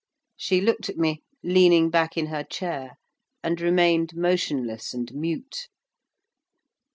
She looked at me, leaning back in her chair, and remained motionless and mute.